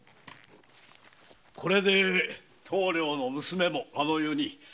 これで棟梁の娘もあの世に。